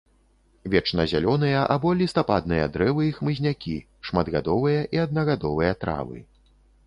Вечназялёныя або лістападныя дрэвы і хмызнякі, шматгадовыя і аднагадовыя травы.